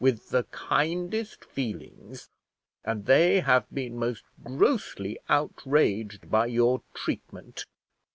"With the kindest feelings; and they have been most grossly outraged by your treatment."